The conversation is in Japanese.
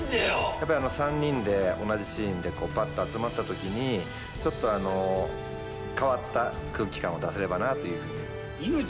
やっぱり３人で同じシーンでパッと集まった時にちょっと変わった空気感を出せればなというふうに。